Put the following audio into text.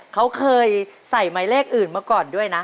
เขาเคยใส่หมายเลขอื่นมาก่อนด้วยนะ